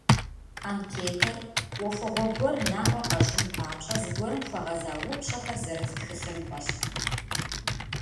Анкетэр ӏуэхугъуэ гуэр наӏуэ къэщӏын папщӏэ зыгуэрым хуэгъэза упщӏэхэр зэрыт тхылъымпӏэщ.